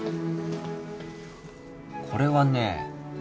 これはね。